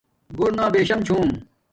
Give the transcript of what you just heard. گھرونا بیشم چھوم